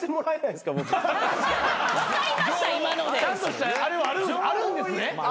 ちゃんとしたあれはあるんですね？